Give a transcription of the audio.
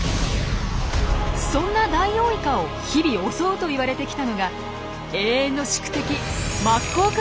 そんなダイオウイカを日々襲うといわれてきたのが永遠の宿敵マッコウクジラです。